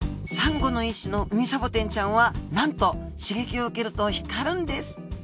サンゴの一種のウミサボテンちゃんはなんと刺激を受けると光るんです。